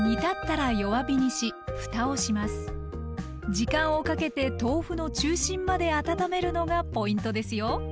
時間をかけて豆腐の中心まで温めるのがポイントですよ。